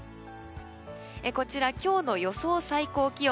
こちら、今日の予想最高気温。